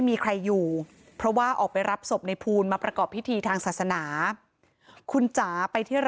แล้วกลับบ้านไปไม่ถึงสิบนาที